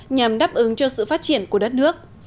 nhằm đáp ứng cho sự phát triển của đất nước